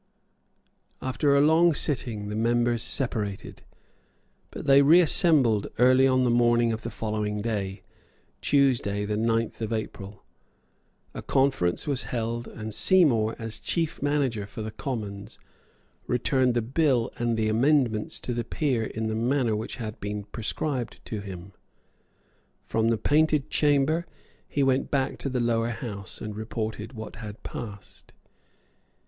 After a long sitting the members separated; but they reassembled early on the morning of the following day, Tuesday the ninth of April. A conference was held; and Seymour, as chief manager for the Commons, returned the bill and the amendments to the Peers in the manner which had been prescribed to him. From the Painted Chamber he went back to the Lower House, and reported what had passed.